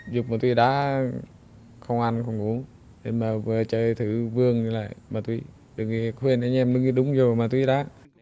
dùng ma túy đá không ăn không uống nhưng mà vừa chơi thử vương lại ma túy được khuyên anh em đứng đúng vừa ma túy đá